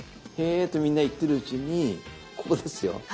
へぇとみんな言ってるうちにここですよ。